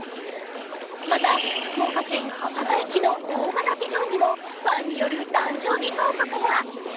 また福岡県博多駅の大型ビジョンにも、ファンによる誕生日広告が！